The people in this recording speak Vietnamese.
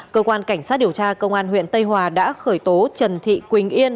cơ quan cảnh sát điều tra công an huyện tây hòa đã khởi tố trần thị quỳnh yên